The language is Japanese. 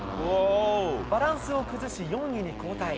バランスを崩し、４位に後退。